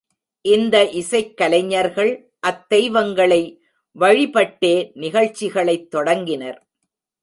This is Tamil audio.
இந்த இசைக் கலைஞர்கள் அத்தெய்வங்களை வழிபட்டே நிகழ்ச்சிகளைத் தொடங்கினர்.